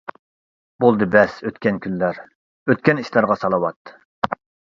بولدى بەس ئۆتكەن كۈنلەر، ئۆتكەن ئىشلارغا سالاۋات.